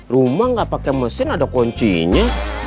rumah nggak pakai mesin ada kuncinya